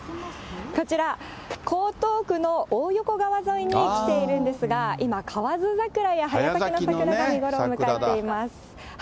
こちら、江東区の大横川沿いに来ているんですが、今、河津桜や早咲きの桜が見頃を迎えています。